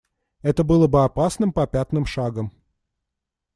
Это было бы опасным попятным шагом.